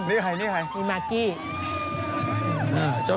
นี่ใคร